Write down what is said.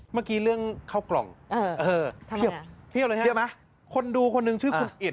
เมื่อกี้เรื่องเข้ากล่องเทียบคนดูคนนึงชื่อคุณอิส